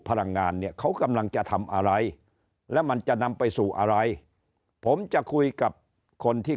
พลังงานเนี่ยเขากำลังจะทำอะไรแล้วมันจะนำไปสู่อะไรผมจะคุยกับคนที่